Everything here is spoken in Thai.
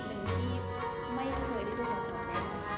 ในวันที่ไม่เคยได้ทุกคนเจอกัน